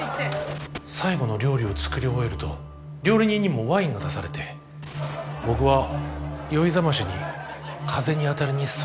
最後の料理を作り終えると料理人にもワインが出されて僕は酔いざましに風に当たりに外へ出たんだ。